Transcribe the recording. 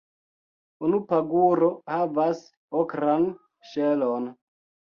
Unu paguro havas okran ŝelon.